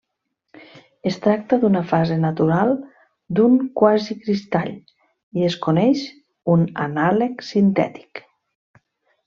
Es tracta d'una fase natural d'un quasicristall, i es coneix un anàleg sintètic.